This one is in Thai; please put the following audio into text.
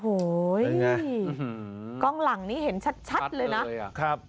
โหยเป็นไงอืมหืมกล้องหลังนี้เห็นชัดชัดเลยน่ะครับ